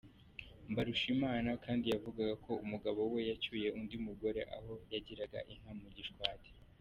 Mbarushimana kandi yavugaga ko umugabo we yacyuye undi mugore aho yaragiraga inka mu Gishwati.